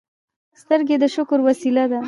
سترګې د شکر وسیله ده